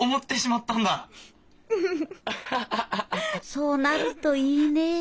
そうなるといいね恵里！